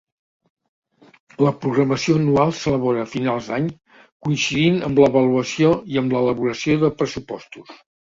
La programació anual s’elabora a finals d’any, coincidint amb l’avaluació i amb l’elaboració de pressupostos.